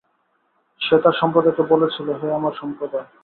সে তার সম্প্রদায়কে বলেছিল, হে আমার সম্প্রদায়!